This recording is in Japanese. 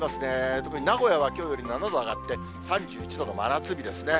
特に名古屋はきょうより７度上がって３１度の真夏日ですね。